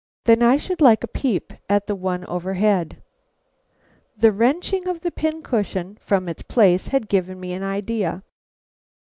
"Then I should like a peep at the one overhead." The wrenching of the pin cushion from its place had given me an idea.